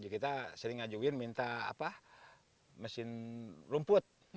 kita sering ngajuin minta mesin rumput